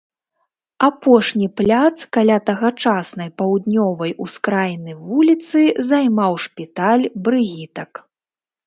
Апошні пляц каля тагачаснай паўднёвай ускраіны вуліцы займаў шпіталь брыгітак.